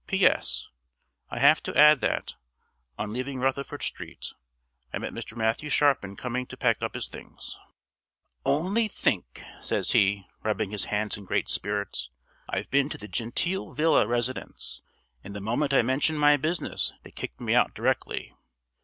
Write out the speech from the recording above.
P.S. I have to add that, on leaving Rutherford Street, I met Mr. Matthew Sharpin coming to pack up his things. "Only think!" says he, rubbing his hands in great spirits, "I've been to the genteel villa residence, and the moment I mentioned my business they kicked me out directly.